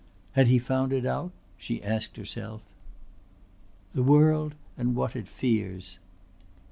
Had he found it out? she asked herself "The world and what it fears."